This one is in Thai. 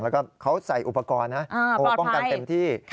แล้วก็เขาใส่อุปกรณ์นะป้องกันเต็มที่